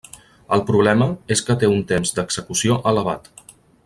El problema és que té un temps d'execució elevat.